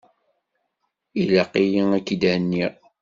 Ilaq-yi ad k-id-henniɣ.